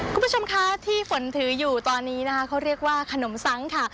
คุณผู้ชมคะที่ฝนถืออยู่ตอนนี้นะคะเขาเรียกว่าขนมซังค่ะ